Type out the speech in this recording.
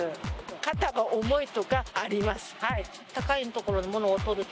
肩が重いとかあります